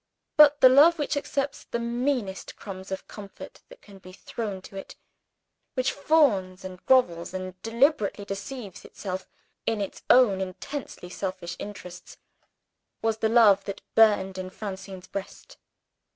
But the love which accepts the meanest crumbs of comfort that can be thrown to it which fawns and grovels and deliberately deceives itself, in its own intensely selfish interests was the love that burned in Francine's breast.